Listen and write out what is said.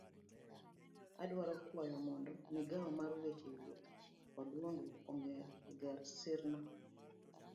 Adwaro kwayo mondo migao mar weche wuoth kod dongruok oger sirni.